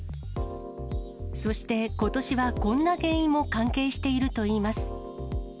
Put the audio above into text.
そしてことしはこんな原因も関係しているといいます。